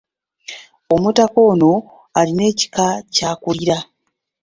Omutaka ono alina ekika ky'akulira.